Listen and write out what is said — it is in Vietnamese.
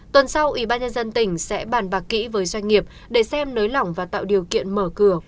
tuần sau ubnd tỉnh sẽ bàn bạc kỹ với doanh nghiệp để xem nới lỏng và tạo điều kiện mở cửa